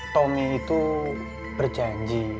tommy itu berjanji